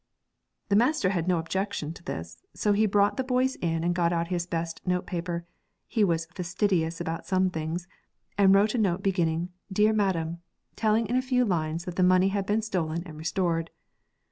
The master had no objection to this; so he brought the boys in and got out his best note paper he was fastidious about some things and wrote a note beginning 'Dear Madam,' telling in a few lines that the money had been stolen and restored.